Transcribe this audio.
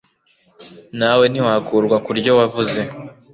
Na we ntiwakurwa ku ryo wavuze,